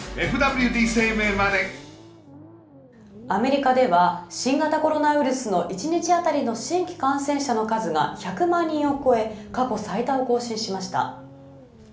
アメリカでは新型コロナウイルスの１日あたりの新規感染者の数が１００万人を超え過去最多を更新しました。